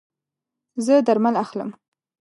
زه درمل اخلم